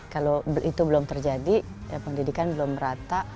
kalau itu belum terjadi pendidikan belum rata